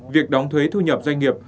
việc đóng thuế thu nhập doanh nghiệp